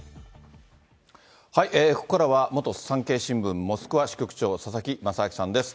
ここからは元産経新聞モスクワ支局長、佐々木正明さんです。